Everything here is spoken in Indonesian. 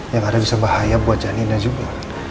ya gak ada yang bisa bahaya buat janina juga